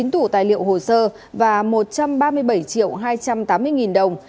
chín tủ tài liệu hồ sơ và một trăm ba mươi bảy triệu hai trăm tám mươi nghìn đồng